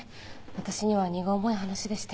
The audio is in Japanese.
私には荷が重い話でして。